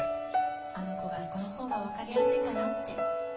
あの子がこの方がわかりやすいかなって